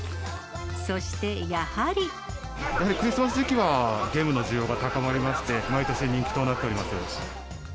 やはりクリスマス時期は、ゲームの需要が高まりまして、毎年人気となっております。